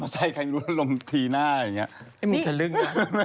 นอกจากจะตามเรื่อง